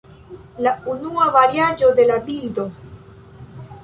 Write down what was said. La unua variaĵo de la bildo.